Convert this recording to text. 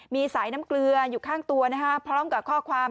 มีสายน้ำเกลืออยู่ข้างตัวพร้อมกับข้อความ